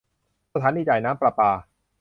สถานีจ่ายน้ำประปา